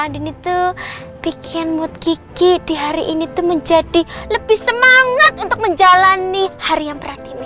andin itu bikin mood gigi di hari ini tuh menjadi lebih semangat untuk menjalani hari yang berat ini